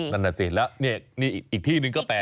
นั่นแหละนี่อีกที่หนึ่งก็แปลก